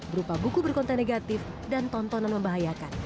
berupa buku berkonten negatif dan tontonan membahayakan